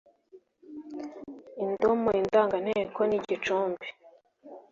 indomo, indanganteko nigicumbi